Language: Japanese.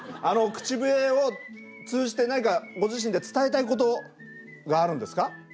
口笛を通じて何かご自身で伝えたいことがあるんですか？